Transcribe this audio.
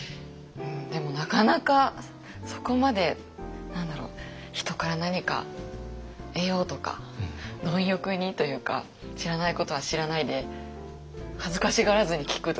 でもなかなかそこまで何だろう人から何か得ようとか貪欲にというか知らないことは知らないで恥ずかしがらずに聞くとか。